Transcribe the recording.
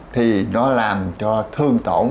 thì nó làm cho thương tổn